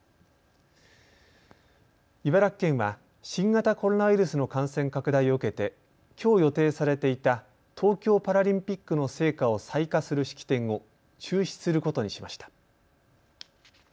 茨城県は、新型コロナウイルスの感染拡大を受けてきょう予定されていた東京パラリンピックの聖火を採火する式典を中止することにしました。